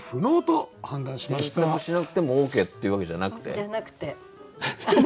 添削しなくてもＯＫっていうわけじゃなくて？じゃなくて。